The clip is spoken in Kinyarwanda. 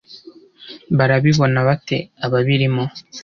Barabibona bate ababirimo